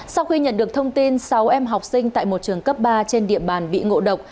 sau khi nhận được thông tin sáu em học sinh tại một trường cấp ba trên địa bàn bị ngộ độc